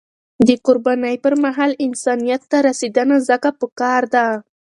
د قربانی پر مهال، انسانیت ته رسیدنه ځکه پکار ده.